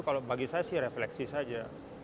kalau bagi saya sih refleksi saja